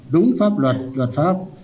đúng pháp luật luật pháp